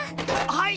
はい！